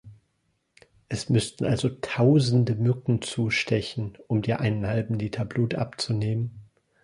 Es müssten also tausende Mücken zustechen, um dir einen halben Liter Blut abzunehmen.